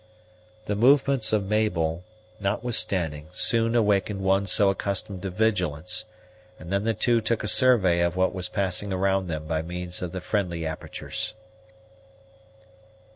The movements of Mabel, notwithstanding, soon awakened one so accustomed to vigilance; and then the two took a survey of what was passing around them by means of the friendly apertures.